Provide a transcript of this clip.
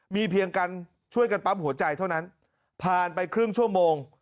มีเพียงการช่วยกันปั๊มหัวใจเท่านั้นผ่านไปครึ่งชั่วโมง